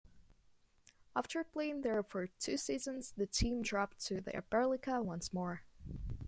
After playing there for two seasons, the team dropped to the Oberliga once more.